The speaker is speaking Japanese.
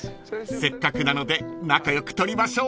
［せっかくなので仲良く撮りましょう］